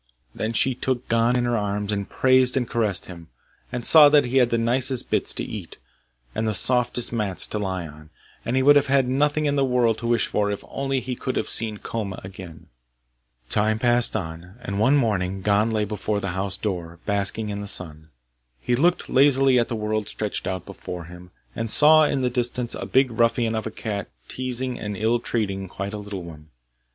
Then she took Gon in her arms, and praised and caressed him, and saw that he had the nicest bits to eat, and the softest mats to lie on; and he would have had nothing in the world to wish for if only he could have seen Koma again. Time passed on, and one morning Gon lay before the house door, basking in the sun. He looked lazily at the world stretched out before him, and saw in the distance a big ruffian of a cat teasing and ill treating quite a little one.